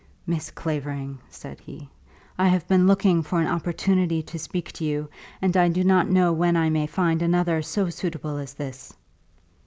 "Miss Clavering," said he, "I have been looking for an opportunity to speak to you, and I do not know when I may find another so suitable as this."